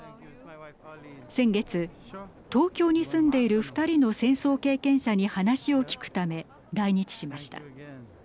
先月、東京に住んでいる２人の戦争経験者に話を聞くため来日しました。